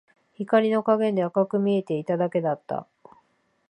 光の加減で赤く見えていただけだった